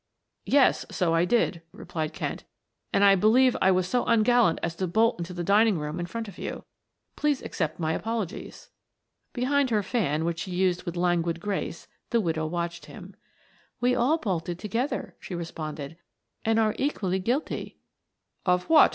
"Yes, so I did," replied Kent. "And I believe I was so ungallant as to bolt into the dining room in front of you. Please accept my apologies." Behind her fan, which she used with languid grace, the widow watched him. "We all bolted together," she responded, "and are equally guilty " "Of what?"